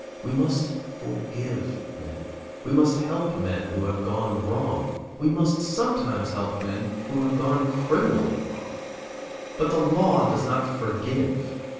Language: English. We must forgive men. We must help men who have gone wrong. We must sometimes help men who have gone criminally wrong. But the law does not forgive.